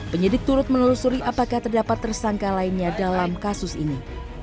penyidik turut menelusuri apakah terdapat tersangka lainnya dalam kasus ini